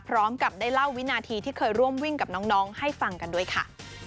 พร้อมกับได้เล่าวินาทีที่เคยร่วมวิ่งกับน้องให้ฟังกันด้วยค่ะ